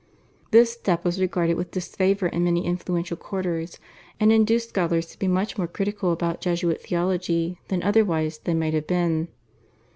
This step was regarded with disfavour in many influential quarters, and induced scholars to be much more critical about Jesuit theology than otherwise they might have been.